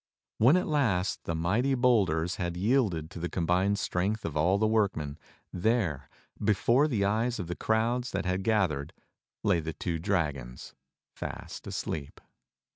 When at last the mighty boulders had yielded to the combined strength of all the workmen, there, before the eyes of the crowds that had gathered, lay the two dragons — fast asleep.